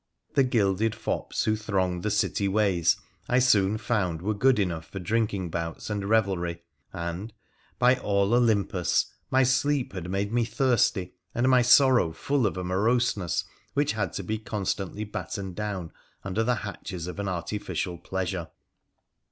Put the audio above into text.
The gilded fops who thronged the city ways I soon found were good enough for drinking bouts and revelry, and, by all Olympus ! my sleep had made me tbirsty and my sorrow full of a moroseness which had to be constantly battened down under the hatches of an artificial pleasure.